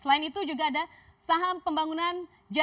selain itu juga ada saham pembangunan jayaan cuncuran